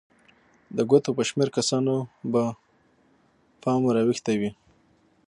د ګوتو په شمېر کسانو به پام ور اوښتی وي.